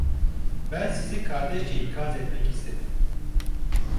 Ben sizi kardeşçe ikaz etmek istedim.